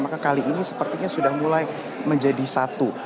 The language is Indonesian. maka kali ini sepertinya sudah mulai menjadi satu